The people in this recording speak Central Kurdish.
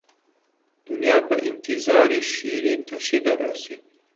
دونیا بە ئیتیزاری، شیرین تەشی دەڕێسێ